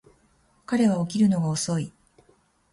彼は起きるのが遅い